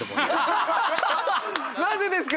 なぜですか！？